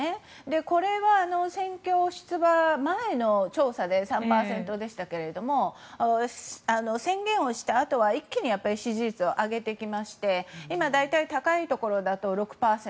これは戦況、出馬前の調査で３％でしたが宣言をしたあとは一気に支持率を上げてきまして今、大体高いところだと６％。